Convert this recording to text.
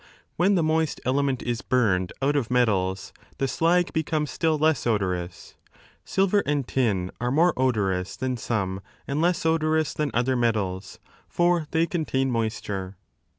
When the moist element is burned out of metals, the slag becomes still less odorous. Silver and tin are more odorous than some and less odorous than other metals ; 6 for they contain moisture.